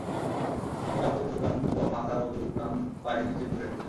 তিনি কাপড়ের দুই প্রান্ত মাথা ও দুই পায়ের নিচে মুড়ে রেখেছিলেন।